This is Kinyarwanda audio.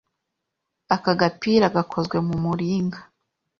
Aka gapira gakozwe mu muringa,